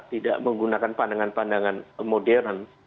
tidak menggunakan pandangan pandangan modern